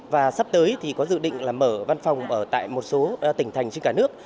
và sắp tới có dự định mở văn phòng ở một số tỉnh thành trên cả nước